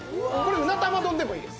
うな玉丼でもいいです。